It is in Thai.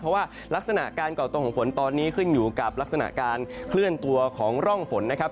เพราะว่ารักษณะการก่อตัวของฝนตอนนี้ขึ้นอยู่กับลักษณะการเคลื่อนตัวของร่องฝนนะครับ